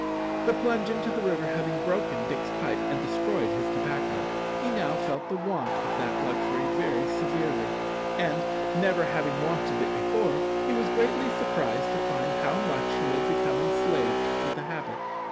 The plunge into the river having broken Dick's pipe and destroyed his tobacco, he now felt the want of that luxury very severely, and, never having wanted it before, he was greatly surprised to find how much he had become enslaved to the habit.